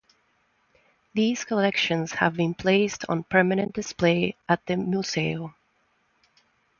These collections have been placed on permanent display at the "Museo".